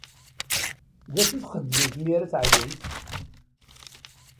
D acu i txeddmemt mi ara ad teɛyumt?